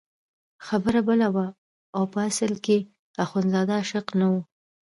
خبره بله وه او په اصل کې اخندزاده عاشق نه وو.